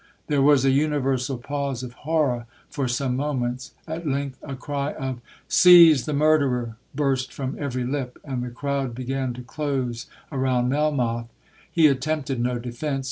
There was a universal pause of horror for some moments—at length a cry of—'Seize the murderer!' burst from every lip, and the crowd began to close around Melmoth. He attempted no defence.